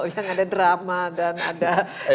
yang ada drama dan ada